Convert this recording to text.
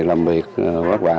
làm việc vất vả